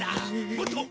もっと。